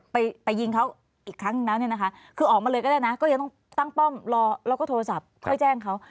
ไปไปยิงเขาอีกครั้งแล้วเนี่ยนะคะคือออกมาเลยก็ได้นะก็ยังต้องตั้งป้อมรอแล้วก็โทรศัพท์ค่อยแจ้งเขา